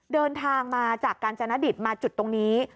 เดินทางมาจากการจนดิตมาจุดตรงนี้